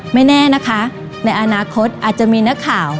ไม่แน่นะคะในอนาคตอาจจะมีนักข่าว